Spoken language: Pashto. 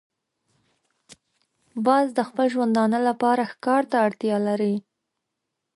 باز د خپل ژوندانه لپاره ښکار ته اړتیا لري